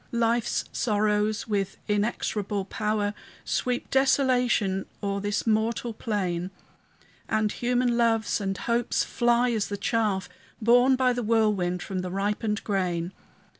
Life's sorrows, with inexorable power, Sweep desolation o'er this mortal plain; And human loves and hopes fly as the chaff Borne by the whirlwind from the ripened grain.